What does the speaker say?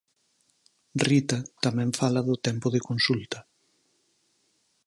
Rita tamén fala do tempo de consulta.